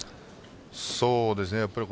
そうですね。